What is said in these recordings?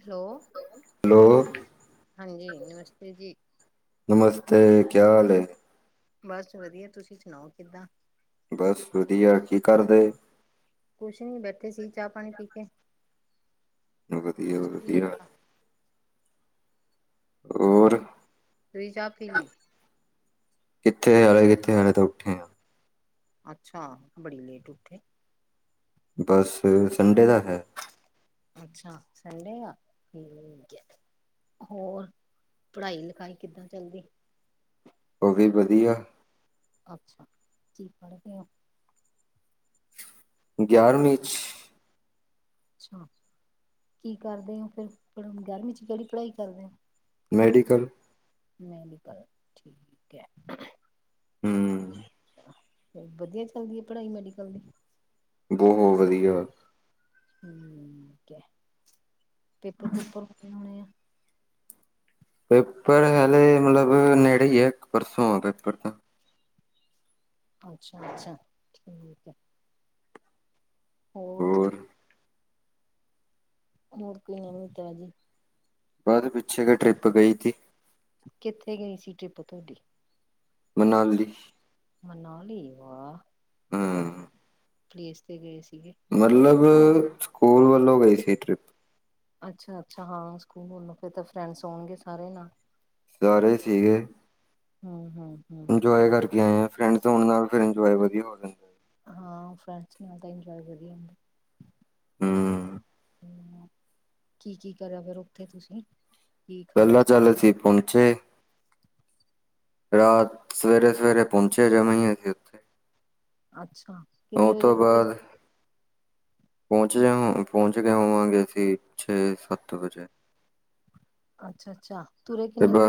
Hello, hello ਹਾਂਜੀ, ਨਮਸਤੇ ਜੀ। ਨਮਸਤੇ, ਕਿਆ ਹਾਲ ਐ? ਬਸ, ਵਧੀਆ, ਤੁਸੀਂ ਸੁਣਾਓ ਕਿੱਦਾਂ? ਬਸ ਵਧੀਆ, ਕੀ ਕਰਦੇ? ਕੁਛ ਨੀ ਬੈਠੇ ਸੀ ਚਾਹ ਪਾਣੀ ਪੀ ਕੇ ਵਧੀਆ-ਵਧੀਆ, ਤੁਸੀਂ ਹੋਰ? ਤੁਹੀ ਚਾਹ ਪੀਲੀ? ਕਿੱਥੇ ਹਲੇ ਕਿੱਥੇ ਹਲੇ ਤਾਂ ਉੱਠੇ ਆ। ਅੱਛਾ ਬੜੀ ਲੇਟ ਉੱਠੇ, ਬਸ ਸੰਡੇ ਦਾ ਹੈ। ਅੱਛਾ ਸੰਡੇ ਆ ਠੀਕ ਆ। ਹੋਰ ਪੜ੍ਹਾਈ ਲਿਖਾਈ ਕਿੱਦਾਂ ਚੱਲਦੀ। ਉਹ ਵੀ ਵਧੀਆ, ਅੱਛਾ ਕੀ ਪੜ੍ਹਦੇ ਹੋ? ਗਿਆਰਵੀ ਚ, ਅੱਛਾ ਕੀ ਕਰਦੇ ਹੋ? ਫਿਰ ਗਰਮੀ ਚ ਕਿਹੜੀ ਪੜ੍ਹਾਈ ਕਰਦੇ ਹੋ? ਮੈਡੀਕਲ, ਮੈਡੀਕਲ, ਠੀਕ ਹੈ। ਹੂੰ, ਫਿਰ ਵਧੀਆ ਚੱਲਦੀ ਹੈ ਪੜ੍ਹਾਈ ਮੈਡੀਕਲ ਦੀ? ਬਹੁਤ ਵਧੀਆ। ਠੀਕ ਐ, ਪੇਪਰ-ਪੂਪਰ ਕਦੋਂ ਹੋਣੇ ਆ? ਪੇਪਰ ਹਲੇ ਮਤਲਬ ਨੇੜੇ ਹੀ ਹੈ, ਇੱਕ ਪਰਸੋਂ ਆ ਪੇਪਰ ਤਾਂ। ਅੱਛਾ-ਅੱਛਾ ਠੀਕ ਹੈ। ਹੋਰ? ਹੋਰ ਕੋਈ ਨਵੀਂ ਤਾਜ਼ੀ? ਬਾਅਦ ਪਿੱਛੇ ਜਿਹੇ ਟ੍ਰਿਪ ਗਈ ਥੀ ਕਿੱਥੇ ਗਈ ਸੀ ਟ੍ਰਿਪ ਤੁਹਾਡੀ? ਮਨਾਲੀ, ਮਨਾਲ ਹੀ ਵਾ ਕਿਆ ਹਮ ਪਲੇਸ 'ਤੇ ਗਏ ਸੀਗੇ। ਮਤਲਬ ਸਕੂਲ ਵੱਲੋਂ ਗਈ ਸੀ ਟ੍ਰਿਪ। ਅੱਛਾ, ਅੱਛਾ ਹਾਂ ਸਕੂਲ ਵਲੋਂ ਫਿਰ ਤਾਂ ਫਰੈਂਡਸ ਹੋਣਗੇ ਸਾਰੇ ਨਾਲ ਸਾਰੇ ਸਿਗੇ। ਹਾਂ-ਹਾਂ, ਇੰਜੋਏ ਕਰਕੇ ਆਏ ਆ, ਫਰੈਂਡਸ ਹੋਣ ਨਾਲ ਫਿਰ ਇੰਜੋਏ ਵਧੀਆ ਹੋ ਜਾਂਦਾ। ਹਾਂ ਫਰੈਂਡਜ ਨਾਲ ਤਾਂ ਇੰਜੋਏ ਵਧੀਆ, ਹੂੰ, ਕੀ-ਕੀ ਕਰਿਆ ਫੇਰ ਉੱਥੇ ਤੁਸੀਂ? ਕੀ ਪਹਿਲਾਂ ਖਾਧਾ ਪੀ ਚਲ ਅਸੀ ਪਹੁੰਚੇ। ਰਾਤ ਸਵੇਰੇ-ਸਵੇਰੇ ਪਹੁੰਚੇ ਜਮਾ ਹੀ ਅਸੀਂ ਉੱਥੇ ਅੱਛਾ, ਉਹ ਕਿੰਨੇ ਵਜੇ ਤੋਂ ਸੁੱਤੇ ਬਾਅਦ ਪਹੁੰਚ ਜਾ ਹੋ ਪਹੁੰਚ ਕੇ ਹੋਵਾਂਗੇ ਅਸੀ ਛੇ ਸੱਤ ਵਜੇ, ਅੱਛਾ-ਅੱਛਾ, ਕਿਦਾ?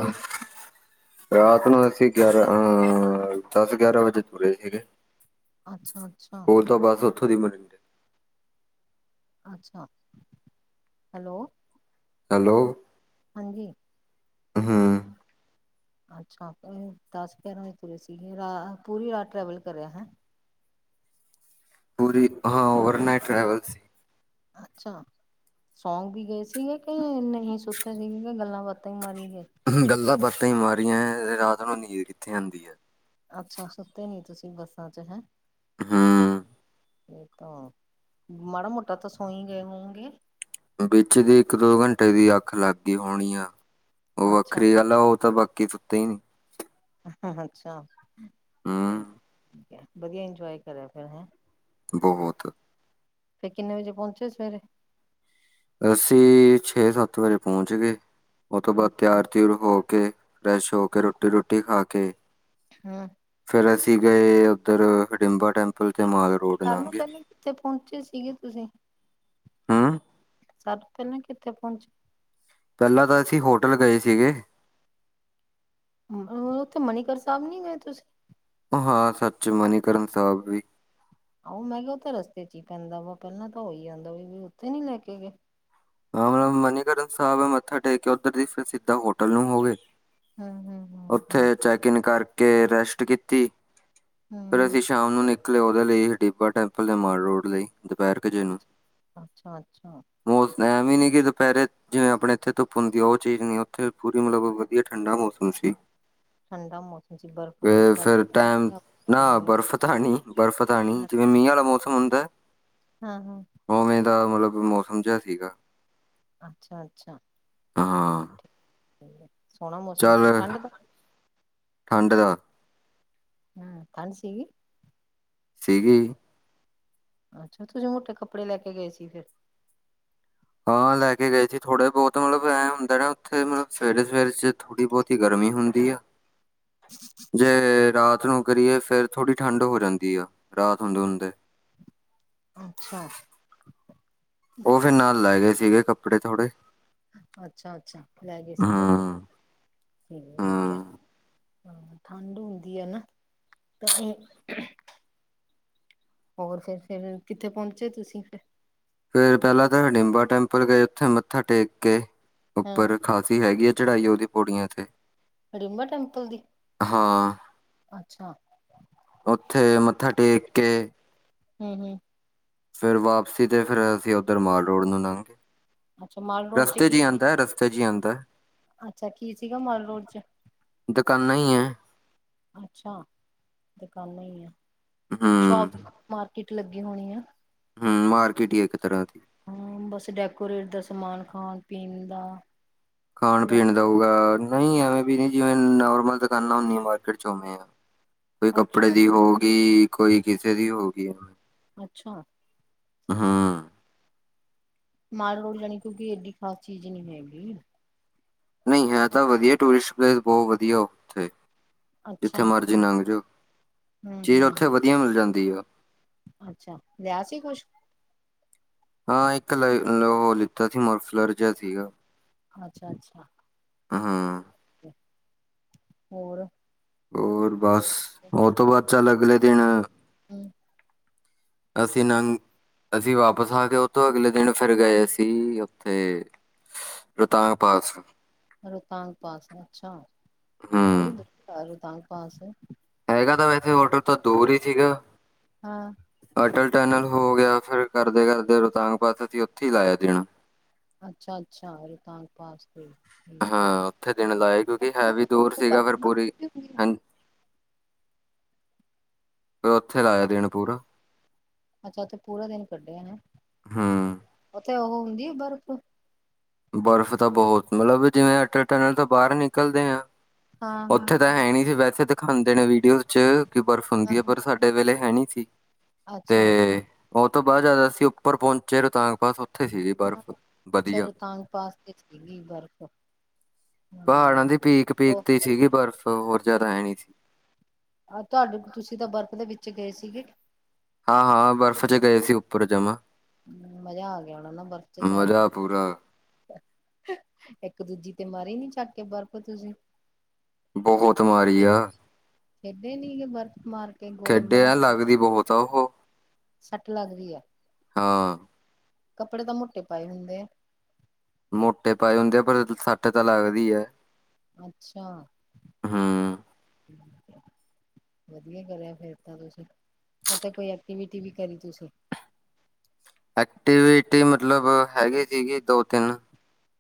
ਰਾਤ ਨੂੰ ਅਸੀਂ ਗਿਆਰਾਂ ਅ ਦਸ ਗਿਆਰਾਂ ਵਜੇ ਤੁੁਰੇ ਸੀਗੇ। ਅੱਛਾ ਅੱਛਾ ਹੋਰ ਤਾਂ ਬਸ ਉੱਥੋਂ ਦੀ ਮਨ ਅੱਛਾ ਹੈਲੋ, ਹੈਲੋ, ਹਾਂਜੀ, ਹਾਂ, ਅੱਛਾ ਦਸ ਗਿਆਰਾਂ ਵਜੇ ਤੁਰ ਸੀਗੇ, ਰਾ ਪੂਰੀ ਰਾਤ ਟਰੈਵਲ ਕਰਿਆ ਹੈਂ। ਪੂਰੀ, ਹਾਂ ਓਵਰ ਨਾਈਟ ਟਰੈਵਲ ਸੀ। ਅੱਛਾ ਸੌਂ ਵੀ ਗਏ ਸੀਗੇ, ਕਿ ਨਹੀਂ ਸੁੱਤੇ ਸੀਗੇ ਗੱਲਾਂ ਬਾਤ ਬਾਤਾਂ ਮਾਰੀ ਗਏ। ਗੱਲਾਂ ਬਾਤਾਂ ਹੀ ਮਾਰੀਆਂ ਹੈ, ਰਾਤ ਨੂੰ ਨੀਂਦ ਕਿੱਥੇ ਆਦੀ ਹੈ। ਅੱਛਾ ਸੁੱਤੇ ਨੀ ਤੁਸੀਂ ਬੱਸਾਂ ਚ ਹੈਂ ਹੂ ਇਹ ਤਾਂ, ਮਾੜਾ ਮੋਟਾ ਤਾਂ ਸੋਈ ਗਏ ਹੋਊਗੇ ਵਿੱਚ ਦੀ ਇੱਕ ਦੋ ਘੰਟੇ ਦੀ, ਅੱਖ ਲੱਗ ਗਈ ਹੋਣੀ ਆ। ਉਹ ਅੱਛਾ ਵੱਖਰੀ ਗੱਲ ਆ, ਉਹ ਤਾਂ ਬਾਕੀ ਸੁੱਤੇ ਹੀ ਨੀ ਹ ਅੱਛਾ ਹੂ ਠੀਕ ਹੈ, ਵਧੀਆ ਇੰਜੋਏ ਕਰਿਆ ਫਿਰ ਹੈਂ? ਬਹੁਤ ਫਿਰ ਕਿਨੇ ਵਜੇ ਪਹੁੰਚੇ ਸਵੇਰੇ? ਅਸੀਂ ਛੇ ਸੱਤ ਵਜੇ ਪਹੁੰਚ ਗਏ, ਉਹ ਤੋਂ ਬਾਅਦ ਅੱਛਾ ਤਿਆਰ ਤਿਯੁਰ ਹੋ ਕੇ ਫਰੈਸ਼ ਹੋ ਕੇ, ਰੋਟੀ ਰੂਟੀ ਖਾ ਕੇ ਅੱਛਾ ਫੇਰ ਅਸੀਂ ਗਏ ਉੱਧਰ, ਹਡਿੰਬਾ ਟੈਂਪਲ ਤੇ ਮਾਲ ਰੋਡ ਸਭ ਨੋ ਲੰਘੇ ਪਹਿਲਾਂ ਕਿੱਥੇ ਪਹੁੰਚੇ ਸੀਗੇ ਤੁਸੀ? ਹੂੰ ਸਭ ਤੋਂ ਪਹਿਲਾਂ ਕਿੱਥੇ ਪਹੂਚੈ ਪਹਿਲਾਂ ਤਾਂ ਅਸੀਂ ਹੋਟਲ ਗਏ ਸੀਗੇ। ਉਥੇ ਮਨੀਕਰਨ ਸਾਹਿਬ ਨੀ ਗਏ ਤੁਸੀਂ ਹਾਂ ਸੱਚ, ਮਨੀਕਰਨ ਸਾਹਿਬ ਵੀ ਆਓ ਮੈਂ ਕਿਹਾ ਉ ਰਸਤੇ ਚ ਹੀ ਪੈਂਦਾ ਵਾ, ਪਹਿਲਾਂ ਤਾਂ ਉਹੀ ਆਉਂਦਾ ਵਾ, ਵੀ ਉੱਥੇ ਨੀ ਲੈ ਕੇ ਗਏ। ਹਾ, ਮਨੀਕਰਨ ਸਾਹਿਬ ਮੱਥਾ ਟੇਕ ਕੇ, ਉੱਧਰ ਦੀ ਫਿਰ ਸਿੱਧਾ ਹੋਟਲ ਨੂੰ ਹੋ ਗਏ। ਹਮ ਹਮ ਹਮ ਹਮ ਉੱਥੇ ਚੈਕਇਨ ਕਰਕੇ, ਰੈਸਟ ਕੀਤੀ। ਹੂ ਫਿਰ ਅਸੀਂ ਸ਼ਾਮ ਨੂੰ ਨਿਕਲੇ ਉਹਦੇ ਲਈ, ਹਡੀਬਾ ਟੈਂਪਲ ਤੇ ਮਾਲ ਰੋਡ ਲਈ। ਦੁਪਹਿਰ ਕ ਜੇ ਨੂੰ, ਅੱਛਾ ਅੱਛਾ ਮੌਸ ਐ ਵੀ ਹੀ ਨੀ ਕਿ ਦੁਪਹਿਰੇ ਜਿਵੇਂ ਆਪਣੇ ਇੱਥੇ ਧੁੱਪ ਹੁੰਦੀ ਉਹ ਚੀਜ਼ ਨੀ, ਉੱਥੇ ਪੂਰੀ ਮਤਲਬ ਵਧੀਆ ਠੰਡਾ ਮੌਸਮ ਸੀ। ਠੰਡਾ ਮੌਸਮ ਸੀ ਬਰਫ਼ ਬੁਰਫ਼ ਤੇ ਫਿਰ ਟਾਈਮ, ਨਾ ਕਰਦੀਆਂ ਹੋਣੀਆਂ ਬਰਫ਼ ਤਾਂ ਹੈ ਣੀ, ਬਰਫ਼ ਤਾਂ ਹੈ ਣੀ ਜਿਵੇਂ ਮੀਹ ਵਾਲਾ ਮੌਸਮ ਹੁੰਦਾ ਹਾਂ ਹਾਂ ਔਵੇਂ ਦਾ ਮਤਲਬ ਮੌਸਮ ਜਿਹਾ ਸੀਗਾ ਅੱਛਾ ਅੱਛਾ ਹਾਂ ਠੀਕ ਏ ਚੱਲ ਠੰਡ ਦਾ ਠੰਡ ਸੀ ਸੀਗੀ ਅੱਛਾ, ਤੁਸੀਂ ਮੋਟੇ ਕੱਪੜੇ ਲੈ ਕੇ ਗਏ ਸੀ ਫਿਰ ਹਾਂ ਲੈ ਕੇ ਗਏ ਸੀ ਥੋੜੇ ਬਹੁਤ, ਮਤਲਬ ਐਂ ਹੁੰਦਾ ਨੇ ਨਾ ਉੱਥੇ ਮਤਲਬ ਸਵੇਰੇ ਸਵੇਰੇ ਚ ਥੋੜੀ ਬਹੁਤੀ ਗਰਮੀ ਹੁੰਦੀ ਆ। ਜੇ ਰਾਤ ਨੂੰ ਕਰੀਏ ਫਿਰ ਥੋੜੀ ਠੰਡ ਹੋ ਜਾਂਦੀ ਆ ਰਾਤ ਹੁੰਦੇ ਹੁੰਦੇ। ਅੱਛਾ ਉਹ ਫਿਰ ਨਾਲ ਲੈ ਗਏ ਸੀਗੇ, ਕੱਪੜੇ ਥੋੜੇ ਅੱਛਾ ਅੱਛਾ ਲੈ ਗਏ ਸੀ ਮੋਟੇ, ਹੂੰ ਠੀਕ ਆ ਹੂੰ ਹਾਂ ਠੰਡ ਹੁੰਦੀ ਏ ਨਾ, ਤਾਹੀ ਹੋਰ ਫੇਰ, ਫਿਰ ਕਿੱਥੇ ਪਹੁੰਚੇ ਤੁਸੀਂ ਫਿਰ? ਫਿਰ ਪਹਿਲਾਂ ਤਾਂ ਹੜੀਬਾਂ ਟੈਂਪਲ ਗਏ, ਉੱਥੇ ਮੱਥਾ ਟੇਕ ਕੇ, ਹਾਂ ਉੱਪਰ ਖਾ ਕਾਫੀ ਹੈਗੀ ਆ ਚੜਾਈ ਉਹਦੀ, ਪੌੜੀਆਂ ਇੱਥੇ ਰੜਿੰਬਾ ਟੈਂਪਲ ਦੀ ਹਾਂ ਅੱਛਾ। ਉੱਥੇ ਮੱਥਾ ਟੇਕ ਕੇਂ। [unintelligible] ਹਮ। ਫਿਰ ਵਾਪਸੀ ਤੇ ਫਿਰ ਅਸੀਂ ਉਦਰ ਮਾਲ ਰੋਡ ਨੂੰ ਲੰਘ ਗਿਏ। ਅੱਛਾ ਮਾਲ ਰੋਡ ਚ ਕੀ - ਕੀ ਰਸਤੇ 'ਚ ਹੀ ਆਂਦਾ ਹੈ। ਅੱਛਾ ਕੀ ਸੀਗਾ ਮਾਲ ਰੋਡ ਚ' ਦੁਕਾਨਾਂ ਹੀ ਹੈ ਅੱਛਾ ਦੁਕਾਨਾਂ ਹੀ ਆ ਹੂੰ ਸ਼ੋਪ? ਮਾਰਕੀਟ ਲੱਗੀ ਹੋਣੀ ਆ। ਹਮ ਮਾਰਕੀਟ ਹੀ ਇੱਕ ਤਰ੍ਹਾਂ ਦੀ। ਹਾਂ। ਬਸ ਡੈਕੋਰੇਟ ਦਾ ਸਮਾਨ ਖਾਣ ਪੀਣ ਦਾ। ਖਾਣ ਪੀਣ ਦਾਊਗਾ ਨਹੀਂ ਐਵੇਂ ਵੀ ਨੀ। ਜਿਵੇਂ ਨੋਰਮਲ ਦੁਕਾਨਾਂ ਹੁੰਦੀ ਮਾਰਕੀਟ ਚ' ਉਵੇਂ ਆ। ਕੋਈ ਅੱਛਾ ਕੱਪੜੇ ਦੀ ਅੱਛਾ ਹੋ ਗਈ ਕੋਈ ਕਿਸੇ ਦੀ ਹੋ ਗਈ। ਅੱਛਾ। ਹਮ। ਮਾਲ ਰੋਲ ਜਾਣੀ ਕੀ ਕਿਉਂਕਿ ਏਡੀ ਖਾਸ ਚੀਜ਼ ਨਹੀਂ ਹੈਗੀ। ਨਹੀਂ ਹੈ। ਤਾਂ ਵਧੀਆ ਟੂਰਿਸਟ ਪਲੇਸ ਬਹੁਤ ਵਧੀਆ ਉੱਥੇ। ਜਿੱਥੇ ਅੱਛਾ ਮਰਜ਼ੀ ਲੰਘ ਜਾਓ। ਹਮ ਚੀਜ਼ ਹਮ ਉੱਥੇ ਵਧੀਆ ਮਿਲ ਜਾਂਦੀ ਆ। ਅੱਛਾ ਲਿਆ ਸੀ ਕੁਛ। ਹਾਂ। ਇੱਕ ਲਿਆ ਹੋ ਲਿੱਤਾ ਸੀ ਮਫਲਾਰ ਜਿਹਾ ਸੀਗਾ। ਅੱਛਾ - ਅੱਛਾ। ਹਮ ਹਾਂ। ਹੋਰ। ਹੋਰ ਬਸ। ਉਹ ਤੋਂ ਬਾਅਦ ਚੱਲ ਅਗਲੇ ਦਿਨ। ਹਮ। ਅਸੀਂ ਨੰਗ। ਅਸੀਂ ਵਾਪਸ ਆ ਕੇ। ਉਥੋਂ ਅਗਲੇ ਦਿਨ ਫਿਰ ਗਏ ਸੀ ਉੱਥੇ? ਰੋਹਤਾਗ ਤਾਂ ਪਾਸ। ਰੋਹਤਾਂਗ ਪਾਸ ਅੱਛਾ। ਹੂੰ ਉਹੀ ਵੀ ਰੋਹਤਾਂਗ ਪਾਸ ਹੈਗਾ ਤਾਂ ਵੈਸੇ ਹੋਟਲ ਤਾਂ ਦੂਰ ਹੀ ਸੀਗਾ। ਹਾਂ। ਅਟਲ ਟੈਨਲ ਹੋ ਗਿਆ। ਫਿਰ ਕਰਦੇ - ਕਰਦੇ ਰੋਤਾਂਗਪਥ ਅਸੀਂ ਉੱਥੇ ਹੀ ਲਾਇਆ ਦੇਣਾ। ਅੱਛਾ ਅੱਛਾ ਰੋਹਤਾਂਗ ਪਾਸਤੇ। ਹਾਂ। ਉੱਥੇ ਦਿਨ ਲਾਏ ਕਿਉਂਕਿ ਹੈ ਵੀ ਦੂਰ ਸੀਗਾ ਫਿਰ ਪੂਰੀ। ਫੇਰ ਉੱਥੇ ਲਾਇਆ ਦਿਨ ਪੂਰਾ। ਅੱਛਾ ਉੱਥੇ ਪੂਰਾ ਦਿਨ ਕੱਢਿਆ ਨੇ। ਹੂੰ ਉੱਥੇ ਉਹ ਹੁੰਦੀ ਆ ਬਰਫ਼? ਬਰਫ਼ ਤਾਂ ਬਹੁਤ ਮਤਲਬ। ਜਿਵੇਂ ਅਟਲ ਟਨਲ ਤੋਂ ਬਾਹਰ ਨਿਕਲਦੇ ਆ। ਹਾਂ ਉੱਥੇ ਤਾਂ ਹੈ ਨਹੀਂ ਸੀ ਵੈਸੇ ਦਿਖਾਉਂਦੇ ਨੇ। ਵੀਡੀਓ ਚ ਕਿ ਬਰਫ਼ ਹੁੰਦੀ ਹਾਂ ਹੈ ਹਾਂ ਪਰ ਸਾਡੇ ਵੇਲੇ ਹੈ ਨਹੀਂ ਸੀ। ਅੱਛਾ। ਤੇ ਉਹ ਤੋਂ ਬਾਅਦ ਜ਼ਿਆਦਾ ਅਸੀਂ ਉੱਪਰ ਪਹੁੰਚੇ ਰੋਹਤਾਂਗ ਪਾਸ ਉੱਥੇ ਸੀ ਜ ਬਰਫ਼ ਵਧੀਆ। ਪਾਸਤੇ ਸੀਗੀ ਬਰਫ਼। ਪਹਾੜਾਂ ਹਾਂ ਦੇ ਪੀਕ-ਪੀਕ ਉਹ ਤੇ ਸੀਗੀ ਬਰਫ਼ ਹੋਰ ਜ਼ਿਆਦਾ ਹੈ ਨਹੀਂ ਸੀ। ਆਹ ਤੁਹਾਡੇ ਤੁਸੀਂ ਤਾਂ ਬਰਫ਼ ਦੇ ਵਿੱਚ ਗਏ ਸੀਗੇ। ਹਾਂ - ਹਾਂ ਬਰਫ਼ ਚ ਗਏ ਸੀ। ਉੱਪਰ ਜਮਾਂ ਹਮ ਮਜ਼ਾ ਆ ਗਿਆ ਹੋਣਾ ਨਾ। ਬਰਫ਼ ਚ ਜਾਂ ਕੇ। ਮਜ਼ਾ ਪੂਰਾ ਇੱਕ - ਦੂਜੀ ਤੇ ਮਾਰੇ ਨੀ ਚੱਕ ਕੇ ਬਰਫ਼ ਤੁਸੀਂ। ਬਹੁਤ ਮਾਰੀ ਆ। ਖੇਡੇ ਨੀ ਗੇ ਬਰਫ਼ ਮਾਰ ਕੇ ਗੋਲੇ ਖੇਡੇ ਬਣਾ ਆ ਬਣਾ? ਲੱਗਦੀ ਬਹੁਤ ਆ ਉਹ। ਸੱਟ ਲੱਗਦੀ ਹੈ। ਹਾਂ ਕੱਪੜੇ ਤਾਂ ਮੋਟੇ ਪਾਏ ਹੁੰਦੇ ਆ। ਮੋਟੇ ਪਾਏ ਹੁੰਦੇ ਆ। ਪਰ ਸੱਟ ਤਾਂ ਲੱਗਦੀ ਹੈ। ਅੱਛਾ। ਹੂੰ ਵਧੀਆ ਕਰਿਆ ਫੇਰ ਤਾਂ ਤੁਸੀਂ। ਉਥੇ ਕੋਈ ਐਕਟੀਵਿਟੀ ਵੀ ਕਰੀ ਤੁਸੀਂ। ਐਕਟੀਵਿਟੀ ਮਤਲਬ ਹੈਗੀ ਸੀਗੀ ਦੋ -ਤਿੰਨ।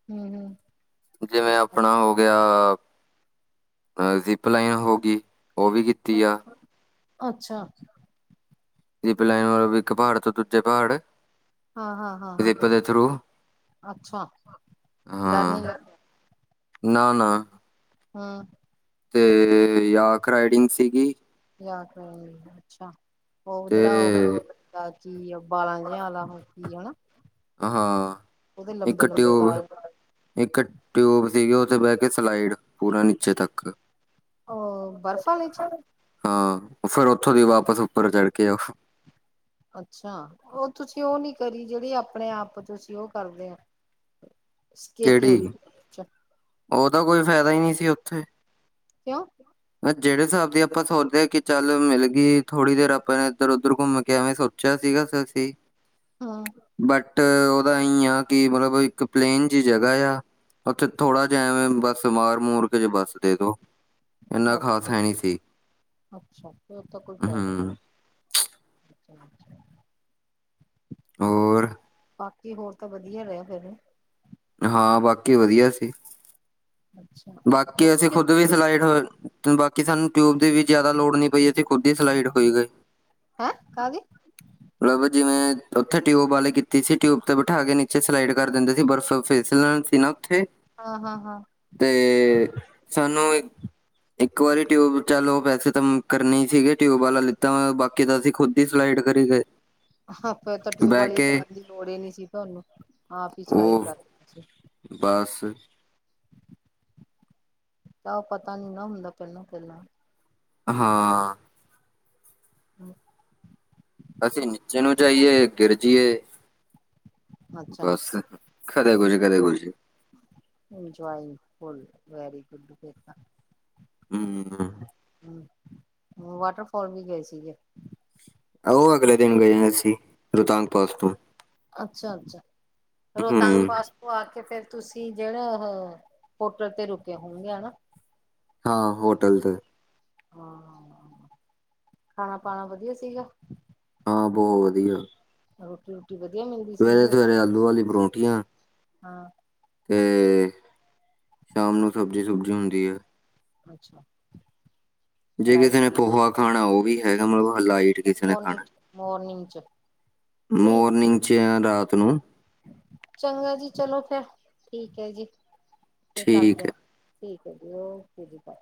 ਹੂੰ। ਜਿਵੇਂ ਆਪਣਾ ਹੋ ਗਿਆ, ਅ ਜ਼ਿਪ ਲਾਈਨ ਹੋ ਗਈ। ਉਹ ਵੀ ਹਾਂ, ਕੀਤੀ ਆ। ਅੱਛਾ। ਜਿਪ ਲਾਈਨ ਵਾਲੋਂ ਵੀ, ਇੱਕ ਪਹਾੜ ਤੋਂ ਦੂਜੇ ਪਹਾੜ ਹਾਂ ਹਾਂ ਹਾਂ ਹਾਂ। ਜ਼ਿਪ ਦੇ ਥਰੂ ਅੱਛਾ, ਡਰ ਹਾਂ ਨਹੀਂ ਲੱਗਦਾ। ਨਾ ਨਾ। ਹਾਂ। ਤੇ ਯਾਕ ਰਾਈਡਿੰਗ ਸੀਗੀ। ਯਾਕ ਰਾੲਈਡਿੰਗ ਅੱਛਾ। ਉਹ ਤੇ ਜਿਹੜਾ ਉਹ ਤਾਂ ਕੀ ਆਪਾ ਬਾਂਲਾ ਦੇਖੀ ਏ ਹਨਾ। ਹਾਂ। ਉਹਦੇ ਲੰਬੇ ਇੱਕ ਲੰਬੇ ਟਿਊਬ ਬਾਲ ਇੱਕ ਟਿਊਬ ਸੀਗੀ, ਉੱਥੇ ਬਹਿ ਕੇ ਸਲਾਈਡ ਪੂਰਾ ਨੀਚੇ ਤੱਕ, ਅ ਬਰਫ਼ ਵਾਲੇ ਚ ਹਾਂ। ਫੇਰ ਉੱਥੋਂ ਦੀ ਵਾਪਸ ਉੱਪਰ ਚੜ੍ਹ ਕੇ ਆਏ ਸੀ। ਅੱਛਾ। ਉਹ ਤੁਸੀਂ ਉਹ ਨੀ ਕਰੀ, ਜਿਹੜੀ ਆਪਣੇ ਆਪ ਤੁਸੀਂ ਉਹ ਕਰਦੇ ਨੇ। ਕਿਹੜੀ, ਉਹ ਤਾਂ ਕੋਈ ਫਾਇਦਾ ਹੀ ਨਹੀਂ ਸੀ ਉੱਥੇ। ਕਿਓ? ਮੈਂ ਜਿਹੜੇ ਹਿਸਾਬ ਦੀ ਆਪਾਂ ਸੋਚਦੇ ਹਾਂ ਕਿ। ਚੱਲ ਮਿਲ ਗਈ, ਥੋੜ੍ਹੀ ਦੇਰ ਆਪਾਂ ਨੇ ਇਧਰ- ਉਧਰ ਘੁੰਮ ਕੇ ਐਵੇਂ ਸੋਚ ਅੱਛਾ ਸੀਗੇ ਸੈਲਫੀ। ਹੂੰ। ਬਟ ਉਹਦਾ ਇਈ ਆ ਕਿ, ਮਤਲਬ ਇੱਕ ਪਲੇਨ ਜਿਹੀ ਜਗ੍ਹਾ ਆ। ਉੱਥੇ ਥੋੜ੍ਹਾ ਜਿਹਾ ਐਵੇਂ, ਬੱਸ ਮਾਰ-ਮੂਰ ਕੇ ਜੇ ਬੱਸ ਦੇ ਦੋ। ਇੰਨਾ ਖ਼ਾਸ ਹੈ ਨਹੀਂ ਸੀ। ਅੱਛਾ-ਅੱਛਾ। ਹੋਰ ਤਾ ਕੋਈ ਫਾਈਦਾ ਨੀ, ਹੂੰ, ਅੱਛਾ ਅੱਛਾ। ਚਲੋ, ਹੋਰ ਹੋਰ ਕੀ ਹੋਰ ਤਾਂ ਵਧੀਆ ਰੇ ਗੱਲ ਕਰਨੀ। ਹਾਂ ਬਾਕੀ ਵਧੀਆ ਸੀ। ਅੱਛਾ ਬਾਕੀ ਹੋਰ ਅਸੀਂ ਖੁੱਦ ਵੀ ਹੈਂ ਸਲਾਈਟ ਹੋਰ ਬਾਕੀ ਸਾਨੂੰ ਟਿਊਬ ਦੀ ਵੀ ਜ਼ਿਆਦਾ ਲੋੜ ਨੀ ਪਈ। ਅਸੀਂ ਖੁਦ ਹੀ ਸਲਾਈਡ ਹੋਈ ਗਏ। ਹੈਂ ਕਾ ਦੀ, ਮਤਲਬ ਜਿਵੇਂ ਉੱਥੇ ਟਿਊਬ ਵਾਲੇ ਕਿੱਤੀ। ਕਿਸੀ ਟਿਊਬ ਤੇ ਬਿਠਾ ਕੇ ਨੀਚੇ ਸਲਾਈਡ ਕਰ ਦਿੰਦੇ ਸੀ। ਦਰਹਸਲ ਫਿਸਲਣ ਸੀ ਨਾ ਉੱਥੇ ਹਾਂ ਹਾਂ ਹਾ। ਤੇ, ਸਾਨੂੰ ਇੱਕ ਵਾਰੀ ਟਿਊਬ ਚਾਲੂ ਵੈਸੇ ਤਾਂ ਕਰਨੀ ਸੀਗੇ, ਟਿਊਬ ਵਾਲਾ ਲਿੱਤਾ। ਬਾਕੀ ਤਾਂ ਅਸੀਂ ਖੁਦ ਹੀ ਸਲਾਈਡ ਕਰੀ ਗਏ। ਹਾ ਤਾਂ ਫੇਰ ਟਿਊਬ ਬਹਿ ਵਾਲੀ ਕੇ ਲੈਣ ਦੀ ਲੋੜ ਨੀ ਸੀ। ਤੁਹਾਨੂੰ ਆਪ ਹੀ ਸਲਾਈਡ ਉਹ ਕਰ ਸੀ ਬਸ। ਤਾਂ ਪਤਾ ਨੀ ਨਾ ਹੁੰਦਾ। ਪਹਿਲਾਂ -ਪਹਿਲਾਂ ਹਾਂ। [unintelligible] ਅਸੀਂ ਨੀਚੇ ਨੂੰ ਜਾਈਏ। ਗਿਰਜੀ ਏ, ਅੱਛਾ ਬਸ ਕਦੇ ਕੁਝ, ਕਦੇ ਕੁਝ। ਇੰਜੋਏ ਫੁਲ ਵੈਰੀ ਗੁੱਡ ਫੇਰ ਤਾ। ਹੂੰ ਹੂੰ। ਹੂੰ, ਵਾਟਰਫਾਲ ਵੀ ਗਏ ਸੀਗੇ। ਉਹ ਅਗਲੇ ਦਿਨ ਗਏ ਅਸੀਂ। ਰੂਤਾਂਗ ਪਾਸ ਤੋਂ, ਅੱਛਾ ਅੱਛਾ, ਫੇਰ ਰੋਤਾਂਗ ਹੂੰ ਪਾਸ ਉੱਥੋ ਆ ਕੇ ਫੇਰ ਤੁਸੀ, ਜਿਹੜਾ ਹੋਟਲ ਤੇ ਰੁਕੇ ਹੋਣਗੇ ਹਨਾ। ਹਾਂ ਹੋਟਲ ਤੇ, ਹਾਂ ਖਾਣਾ, ਪਾਉਣਾ ਵਧੀਆ ਸੀਗਾ। ਹਾਂ ਬਹੁਤ ਵਧੀਆ। ਰੋਟੀ, ਰੋਟੀ ਵਧੀਆ ਮਿਲਦੀ? ਸਵੇਰੇ ਸੀਗੀ। -ਸਵੇਰੇ ਆਲੂ ਵਾਲੀ ਪਰੌਂਠੀਆਂ ਹਾਂ। ਤੇ, ਸ਼ਾਮ ਨੂੰ ਸਬਜ਼ੀ ਸੁਬਜ਼ੀ ਹੁੰਦੀ ਹੈ। ਅੱਛਾ। ਜੇ ਕਿਸੇ ਰਾਈਸ ਨੇ ਪੋਹਾ ਖਾਣਾ ਉਹ ਵੀ ਹੈਗਾ, ਮਤਲਬ ਲਾਈਟ ਕਿਸੇ ਨੇ ਮੋਰਨਿੰਗ ਖਾਣਾ। ਚ ਮੋਰਨਿੰਗ 'ਚ ਠੀਕ ਮੋਰਨਿੰਗ 'ਚ ਯਾ ਰਾਤ ਨੂੰ। ਚੰਗਾ ਜੀ ਚਲੋ ਫੇਰ, ਠੀਕ ਹੈ ਜੀ, ਫੇਰ ਠੀਕ ਕਰਦੇ ਹੈ। ਹਾਂ ਠੀਕ ਹੈ ਜੀ, ਓਕੇ ਜੀ, ਬਾਏ।